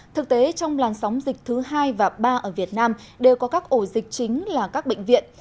thực tế trong làn sóng dịch thứ hai và ba ở việt nam đều có các ổ dịch chính là các bệnh viện